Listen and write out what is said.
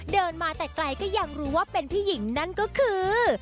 เดินมาแต่ไกลก็ยังรู้ว่าเป็นผู้หญิงนั่นก็คือ